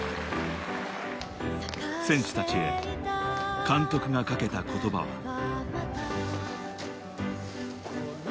選手たちへ、監督がかけた言葉は。